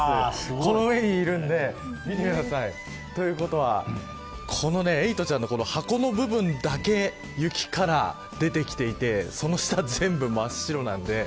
この上にいるんで見てください。ということはこのエイトちゃんの箱の部分だけ雪から出てきていてその下は全部真っ白なんで。